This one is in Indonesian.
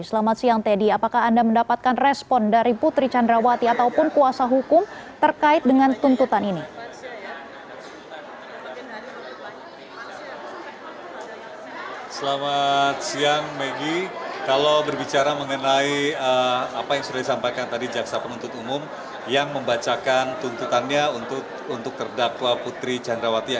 selamat siang teddy apakah anda mendapatkan respon dari putri candrawati ataupun kuasa hukum terkait dengan tuntutan ini